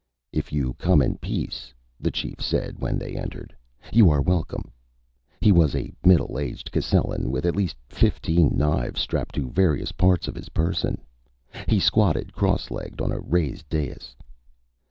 "If you come in peace," the chief said when they entered, "you are welcome." He was a middle aged Cascellan with at least fifteen knives strapped to various parts of his person. He squatted cross legged on a raised dais.